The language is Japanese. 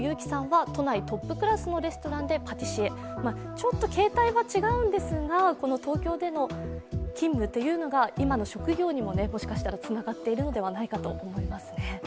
ちょっと形態は違うんですが東京での勤務というのが今の職業にももしかしたらつながっているのではないかと思いますね。